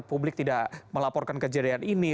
publik tidak melaporkan kejadian ini